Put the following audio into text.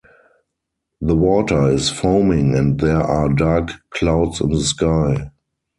The water is foaming and there are dark clouds in the sky.